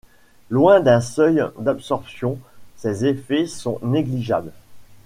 Loin d'un seuil d'absorption, ses effets sont négligeables.